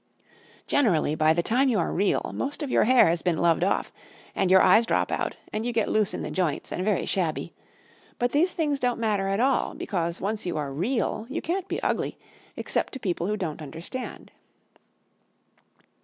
Generally, by the time you are Real, most of your hair has been loved off, and your eyes drop out and you get loose in the joints and very shabby. But these things don't matter at all, because once you are Real you can't be ugly, except to people who don't understand."